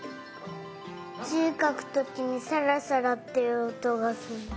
じかくときにサラサラっていうおとがする。